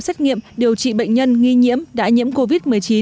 xét nghiệm điều trị bệnh nhân nghi nhiễm đã nhiễm covid một mươi chín